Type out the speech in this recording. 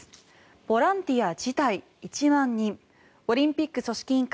ボランティア辞退１万人オリンピック組織委員会